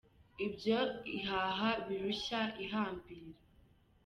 Ibyo ihaha birushya ihambira.